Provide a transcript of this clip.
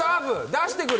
出してくれ！